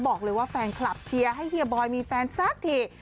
บอกเลยว่าแฟนคลับเชียร์ให้เฮียบอยมีแฟนสักที